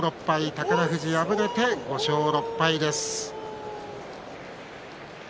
宝富士は敗れて５勝６敗です。